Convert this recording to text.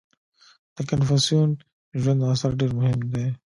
• د کنفوسیوس ژوند او آثار ډېر مهم دي.